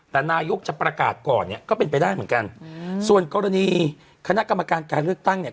แต่นายกจะประกาศก่อนเนี่ยก็เป็นไปได้เหมือนกันส่วนกรณีคณะกรรมการการเลือกตั้งเนี่ย